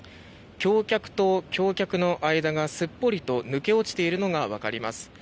橋脚と橋脚の間がすっぽりと抜け落ちているのがわかります。